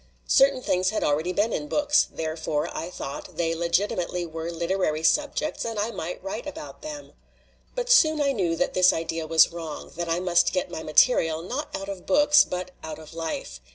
Certain things had already been in books; therefore, I thought, they legitimately were literary subjects and I might write about them. "But soon I knew that this idea was wrong, that I must get my material, not out of books, but out of life.